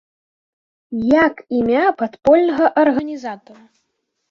Як імя падпольнага арганізатара?